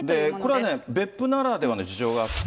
これはね、別府ならではの事情があって。